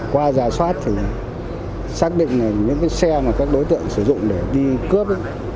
qua giả soát thì xác định là những cái xe mà các đối tượng sử dụng để đi cướp